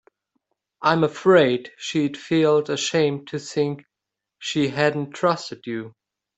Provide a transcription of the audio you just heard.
I'm afraid she'd feel ashamed to think she hadn't trusted you.